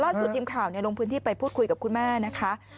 ทีมข่าวลงพื้นที่ไปพูดคุยกับคุณแม่นะคะ